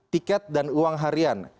tiket dan uang harian